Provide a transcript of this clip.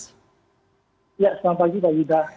ya selamat pagi mbak yuda